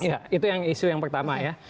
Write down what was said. ya itu yang isu yang pertama ya